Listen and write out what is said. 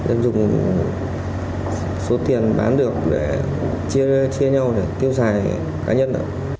em dùng số tiền bán được để chia nhau để tiêu xài cá nhân